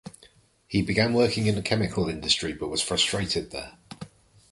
He began working in the chemical industry but was frustrated there.